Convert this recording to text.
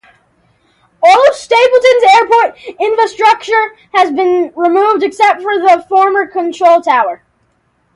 All of Stapleton's airport infrastructure has been removed, except for the former control tower.